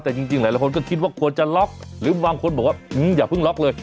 แต่จริงหลายคนก็คิดว่าควรจะล็อกหรือบางคนบอกว่าอย่าเพิ่งล็อกเลย